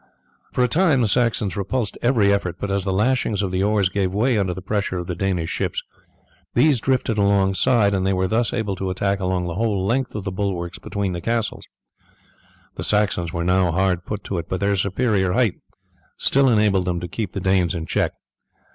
For a time the Saxons repulsed every effort, but as the lashings of the oars gave way under the pressure of the Danish ships, these drifted alongside, and they were thus able to attack along the whole length of the bulwarks between the castles. The Saxons were now hard put to it, but their superior height still enabled them to keep the Danes in check.